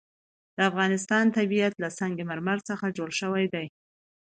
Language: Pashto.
د افغانستان طبیعت له سنگ مرمر څخه جوړ شوی دی.